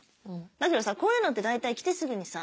だけどさこういうのって大体来てすぐにさ